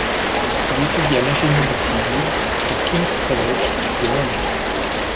Il étudia l'ingénierie civile au King's College de Londres.